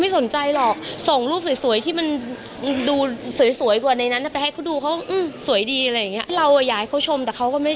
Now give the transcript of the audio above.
สวัสดีค่ะ